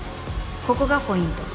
ここがポイント。